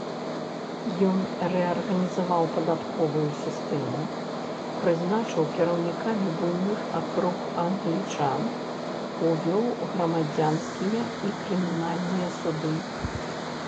Ён рэарганізаваў падатковую сістэму, прызначыў кіраўнікамі буйных акруг англічан, увёў грамадзянскія і крымінальныя суды.